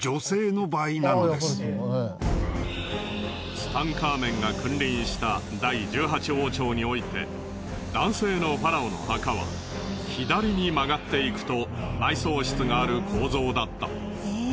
ツタンカーメンが君臨した第１８王朝において男性のファラオの墓は左に曲がっていくと埋葬室がある構造だった。